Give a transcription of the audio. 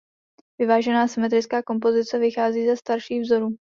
Vyvážená a symetrická kompozice vychází ze starších vzorů.